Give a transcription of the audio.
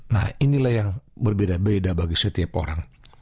nah inilah yang berbeda beda bagi setiap orang